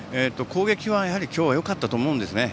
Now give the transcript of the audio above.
攻撃は、やはり今日はよかったと思うんですね。